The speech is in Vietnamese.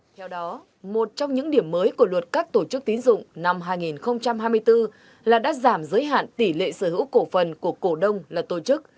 theo đó một trong những điểm mới của luật các tổ chức tín dụng năm hai nghìn hai mươi bốn là đã giảm giới hạn tỷ lệ sở hữu cổ phần của cổ đông là tổ chức